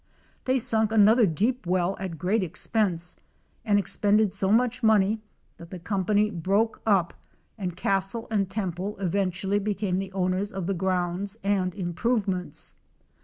They sunk another deep well at great expense, and expended so much money that the company broke up and Castle and Temple eventually became the owners of the grounds and improvements.